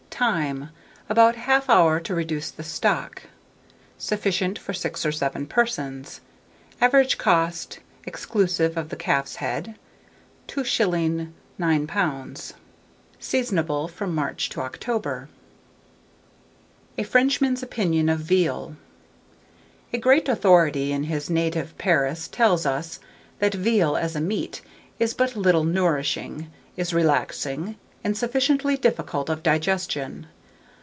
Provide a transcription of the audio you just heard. Time. About 1/2 hour to reduce the stock. Sufficient for 6 or 7 persons. Average cost, exclusive of the calf's head, 2s. 9d. Seasonable from March to October. A FRENCHMAN'S OPINION OF VEAL. A great authority in his native Paris tells us, that veal, as a meat, is but little nourishing, is relaxing, and sufficiently difficult of digestion.